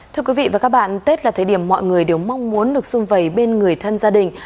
thưa quý vị và các bạn tết là thời điểm mọi người đều mong muốn được xung vầy bên người thân gia đình